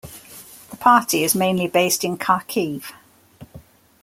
The party is mainly based in Kharkiv.